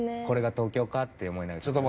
これが東京かって思いながら。